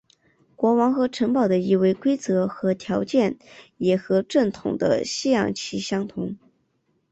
国王和城堡的易位规则和条件也和正统的西洋棋相同。